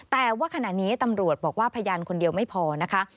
แต่ว่าขณะนี้ตำรวจบอกว่าพยานคนเดียวไม่พอนะคะ